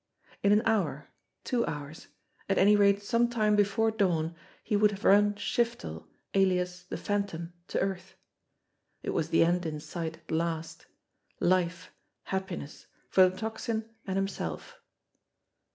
In an hour, two hours, at any rate some time before dawn, he would have run Shiftel, alias the Phantom, to earth. It was the end in sight at last; life, happiness, for the Tocsin and himself.